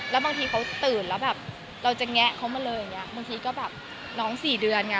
แล้วบางทีเขาตื่นแล้วแบบเราจะแงะเขามาเลยอย่างนี้บางทีก็แบบน้องสี่เดือนไง